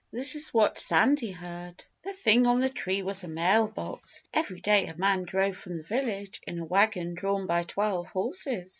This is what Sandy heard: The thing on the tree was a mailbox. Every day a man drove from the village in a wagon drawn by twelve horses.